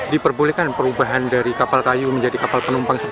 diperbolehkan perubahan dari kapal kayu menjadi kapal penumpang